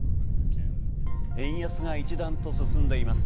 円安が一段と進んでいます。